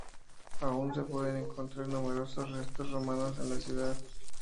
Aún se pueden encontrar numerosos restos romanos en la ciudad.